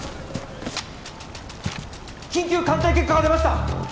緊急鑑定結果が出ました！